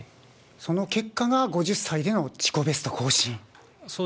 その結果が５０歳での自己ベスト更新。